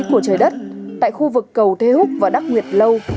của trời đất tại khu vực cầu thế húc và đắc nguyệt lâu